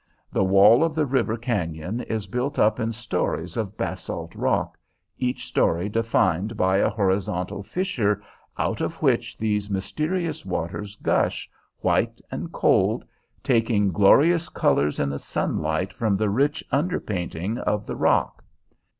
The wall of the river cañon is built up in stories of basalt rock, each story defined by a horizontal fissure, out of which these mysterious waters gush, white and cold, taking glorious colors in the sunlight from the rich under painting of the rock.